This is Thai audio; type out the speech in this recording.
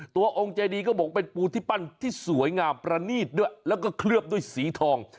องค์เจดีก็บอกเป็นปูที่ปั้นที่สวยงามประนีตด้วยแล้วก็เคลือบด้วยสีทอง